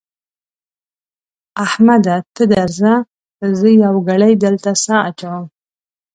احمده ته درځه؛ زه يوه ګړۍ دلته سا اچوم.